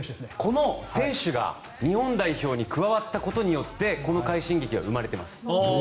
この選手が日本代表に加わったことによってこの快進撃は生まれてます。